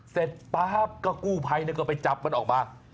เซ็นต์ปากก็กู่ไพเขาก็ไปจับมันออกมา